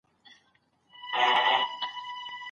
تاسو کولای شئ چې له دې کیمیاوي سرې څخه ګټه واخلئ.